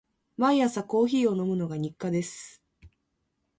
毎朝コーヒーを飲むのが日課です。